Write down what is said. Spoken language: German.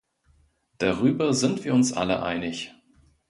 Darüber sind wir uns alle einig.